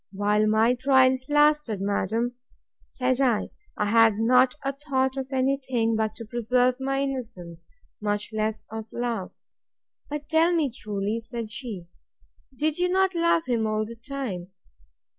While my trials lasted, madam, said I, I had not a thought of any thing, but to preserve my innocence, much less of love. But, tell me truly, said she, did you not love him all the time?